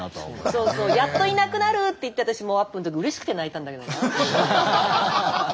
そうそうやっといなくなるって言って私アップの時うれしくて泣いたんだけどなあ。